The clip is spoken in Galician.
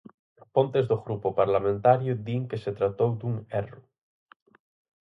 Fontes do grupo parlamentario din que se tratou dun "erro".